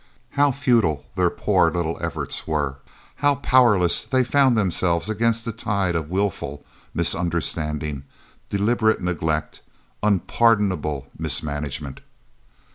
How futile their poor little efforts were! How powerless they found themselves against the tide of wilful misunderstanding, deliberate neglect, unpardonable mismanagement!